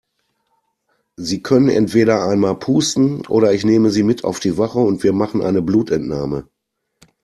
Sie können entweder einmal pusten oder ich nehme Sie mit auf die Wache und wir machen eine Blutentnahme.